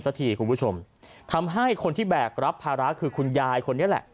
สักทีคุณผู้ชมทำให้คนที่แบกรับภาระคือคุณยายคนนี้แหละ